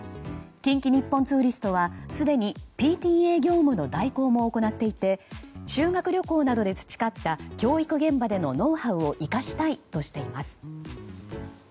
近畿日本ツーリストはすでにＰＴＡ業務の代行も行っていて修学旅行などで培った教育現場でのノウハウを生かしたいとしています。